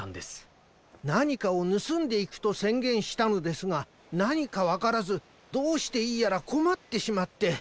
なにかをぬすんでいくとせんげんしたのですがなにかわからずどうしていいやらこまってしまって。